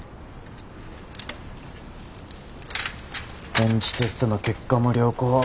ベンチテストの結果も良好。